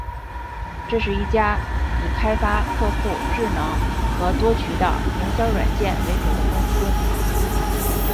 这是一家以开发客户智能和多渠道营销软件为主的公司。